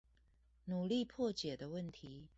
努力破解的問題